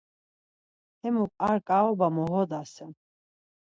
Hemuk ar ǩaoba moğodasen.